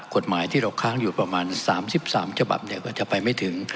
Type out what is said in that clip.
กฎหมายที่เราค้างอยู่ประมาณ๓๓ฉบับก็จะไปไม่ถึง